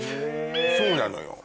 そうなのよ。